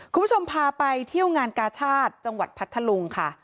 คุณผู้ชมพาไปเที่ยวงานกาชาติจังหวัดพัทธลุงค่ะ